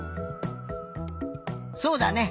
そうだね。